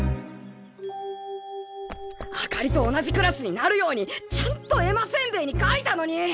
あかりと同じクラスになるようにちゃんと絵馬せんべいに書いたのに！